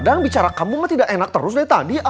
dang bicara kamu mah tidak enak terus dari tadi